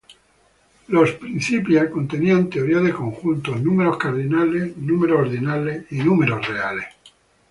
Los "Principia" contenían teoría de conjuntos, números cardinales, números ordinales y números reales.